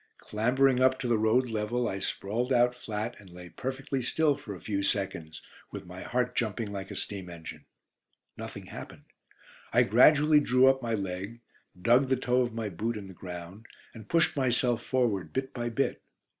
Clambering up to the road level, I sprawled out flat and lay perfectly still for a few seconds, with my heart jumping like a steam engine. Nothing happened. I gradually drew up my leg, dug the toe of my boot in the ground, and pushed myself forward bit by bit.